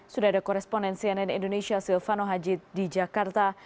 sudah ada koresponen cnn indonesia silvano haji di jakarta